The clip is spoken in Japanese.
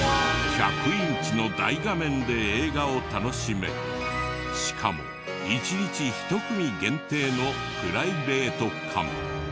１００インチの大画面で映画を楽しめしかも１日１組限定のプライベート感。